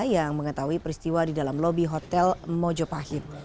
yang mengetahui peristiwa di dalam lobi hotel mojopahit